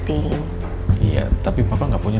ibu ibu kalau misalnya